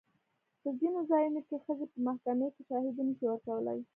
په ځینو ځایونو کې ښځې په محکمې کې شاهدي نه شي ورکولی.